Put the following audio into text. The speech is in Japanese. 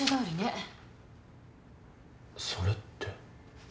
それって。